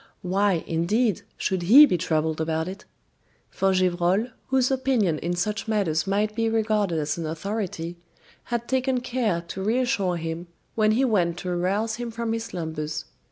Why, indeed, should he be troubled about it? For Gevrol, whose opinion in such matters might be regarded as an authority, had taken care to reassure him when he went to arouse him from his slumbers.